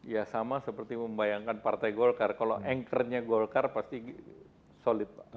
ya sama seperti membayangkan partai golkar kalau anchor nya golkar pasti solid pak